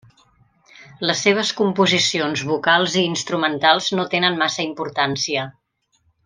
Les seves composicions vocals i instrumentals no tenen massa importància.